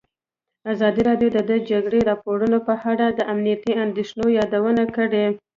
ازادي راډیو د د جګړې راپورونه په اړه د امنیتي اندېښنو یادونه کړې.